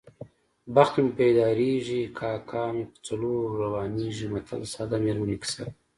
بخت مې پیدارېږي کاک مې په څلور روانېږي متل د ساده میرمنې کیسه ده